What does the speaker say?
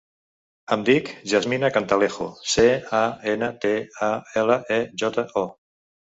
Em dic Yasmina Cantalejo: ce, a, ena, te, a, ela, e, jota, o.